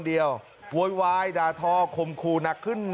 สวัสดีครับทุกคน